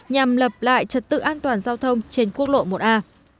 nhằm lập lại trật tự an toàn giao thông trên quốc lộ một a